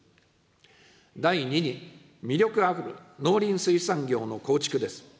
第２に、魅力ある農林水産業の構築です。